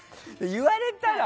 言われたら。